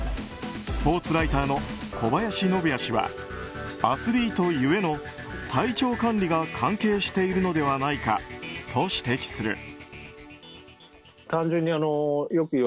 スポーツライターの小林信也氏はアスリートゆえの体調管理が関係しているのではないかと指摘する。